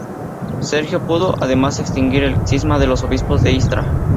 Sergio pudo, además, extinguir el cisma de los obispos de Istria.